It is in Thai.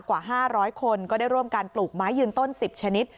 กว่า๕๐๐คนก็ได้ร่วมการปลูกไม้ยืนต้น๑๐ชนิด